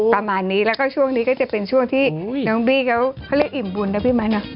ประมาณนี้แล้วก็ช่วงนี้ก็จะเป็นช่วงที่น้องบี้เขาเรียกอิ่มบุญนะพี่ไม้นะ